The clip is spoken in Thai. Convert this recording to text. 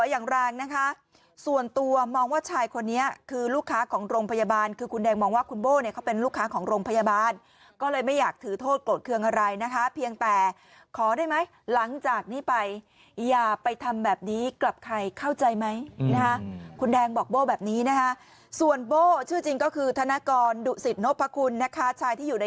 อย่างแรงนะคะส่วนตัวมองว่าชายคนนี้คือลูกค้าของโรงพยาบาลคือคุณแดงมองว่าคุณโบ้เนี่ยเขาเป็นลูกค้าของโรงพยาบาลก็เลยไม่อยากถือโทษโกรธเครื่องอะไรนะคะเพียงแต่ขอได้ไหมหลังจากนี้ไปอย่าไปทำแบบนี้กับใครเข้าใจไหมนะคะคุณแดงบอกโบ้แบบนี้นะคะส่วนโบ้ชื่อจริงก็คือธนกรดุสิตนพคุณนะคะชายที่อยู่ใน